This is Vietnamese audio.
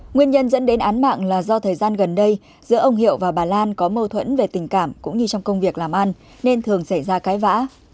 nguyên nhân dẫn đến án mạng là do thời gian gần đây giữa ông hiệu và bà lan có mâu thuẫn về tình cảm cũng như trong công việc làm ăn nên thường xảy ra cãi vã